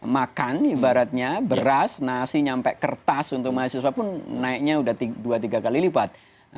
makan ibaratnya beras nasi nyampe kertas untuk mahasiswa pun naiknya udah dua tiga kali lipat